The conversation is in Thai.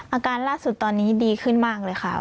อาการล่าสุดตอนนี้ดีขึ้นมากเลยค่ะ